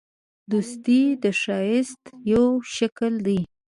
دوستي د ښایست یو شکل دی.